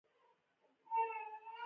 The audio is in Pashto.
کلي د افغانستان د سیاسي جغرافیه برخه ده.